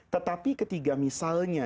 tetapi ketika misalnya